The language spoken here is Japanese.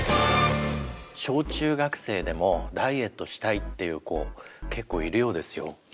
小中学生でもダイエットしたいっていう子結構いるようですよ。